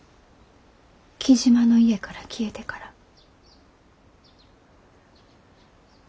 雉真の家から消えてから。